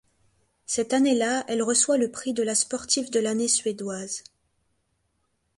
Cette année-là, elle reçoit le prix de la Sportive de l'année suédoise.